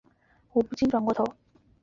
我不禁转过头